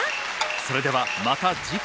それではまた次回。